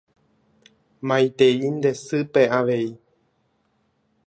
Maitei nde sýpe avei.